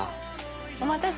お待たせ！